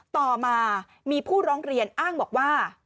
ต่อมามีผู้ร้องเรียนอ้างบอกว่า